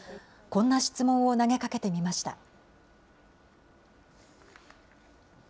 こんな質問を投げかけてみました。